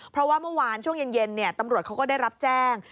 เพราะว่าเมื่อวานช่วงเย็นตำรวจเขาก็ได้รับแจ้ง